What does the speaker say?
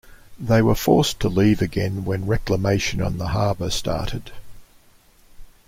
They were forced to leave again when reclamation on the harbour started.